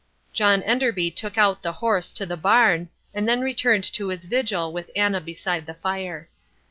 John Enderby took out the horse to the barn, and then returned to his vigil with Anna beside the fire.